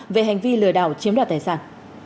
về hành vi lừa đảo chiếm đoạt tài sản